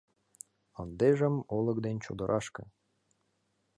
Ындыжым — олык ден чодырашке.